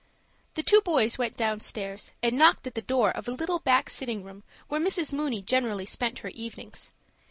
The two boys went downstairs, and knocked at the door of a little back sitting room where Mrs. Mooney generally spent her evenings.